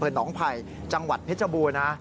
เผือนน้องไผ่จังหวัดเพชรบูรณะ